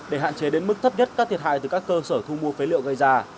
để hạn chế đến mức thấp nhất các thiệt hại từ các cơ sở thu mua phế liệu gây ra